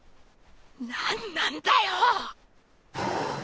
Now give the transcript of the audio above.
何なんだよ。